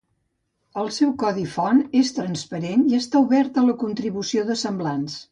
El seu codi font és transparent i està obert a la contribució de semblants.